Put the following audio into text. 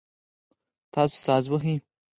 تاسو ساز وهئ؟